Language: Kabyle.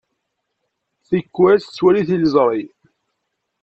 Tikkal yettwali tiliẓri.